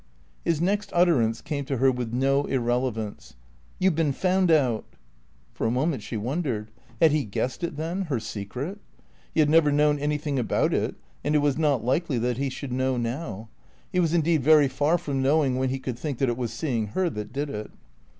His next utterance came to her with no irrelevance. "You've been found out." For a moment she wondered, had he guessed it then, her secret? He had never known anything about it, and it was not likely that he should know now. He was indeed very far from knowing when he could think that it was seeing her that did it.